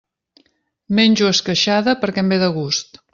Menjo esqueixada perquè em ve de gust.